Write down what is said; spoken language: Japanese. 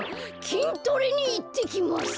きんトレにいってきます！